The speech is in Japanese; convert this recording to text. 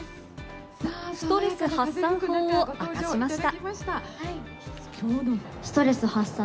ストレス発散法を明かしました。